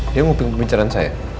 dia mau bikin pembicaraan saya